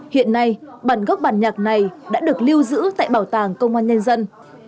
hiện nay bản gốc bản nhạc này đã được lưu giữ tại bảo tàng công an nhân dân